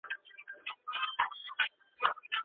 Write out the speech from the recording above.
تاریخ په یوه ځانګړې ایډیالوژۍ کې محدود پاتې سو.